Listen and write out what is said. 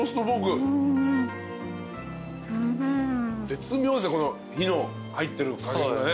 絶妙この火の入ってる感じが。